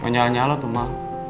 nyalah nyalah tuh ma